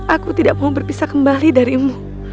aku tidak mau berpisah kembali darimu